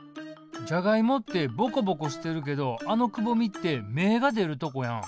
じゃがいもってぼこぼこしてるけどあのくぼみって芽が出るとこやん？